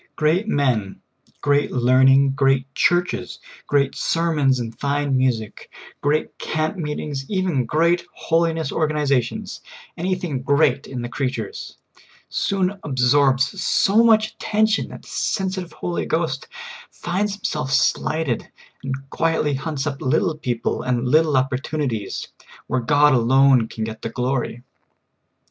Great men, great learn ing, great Churches, great sermons and fine music, great camp meetings, even great holiness organiza tions — anything great in the creatures — soon absorbs so much attention that the sensitive Holy Ghost finds Himself slighted, and quietly hunts up little people and little opportunities, where God alone can get the glory.